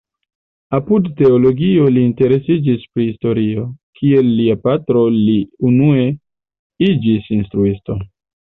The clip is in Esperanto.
Apud teologio li interesiĝis pri historio; kiel lia patro li unue iĝis instruisto.